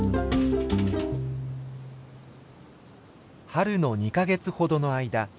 春の２か月ほどの間